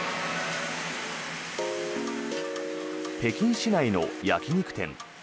北京市内の焼き肉店。